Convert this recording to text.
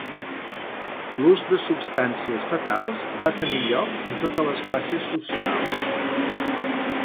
L'ús de substàncies fatals va tenir lloc en totes les classes socials.